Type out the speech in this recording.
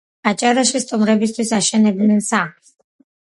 აჭარაში სტუმრებისთვის აშენებდნენ სახლს.